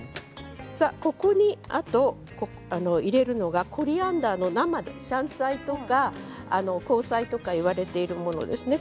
ここにあと入れるのがコリアンダーの生シャンツァイとか香菜とかいわれているものですね。